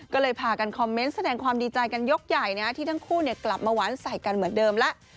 ก็เลยพากันคอมเมนต์แสดงความดีใจกันยกใหญ่นะที่ทั้งคู่กลับมาหวานใส่กันเหมือนเดิมแล้ว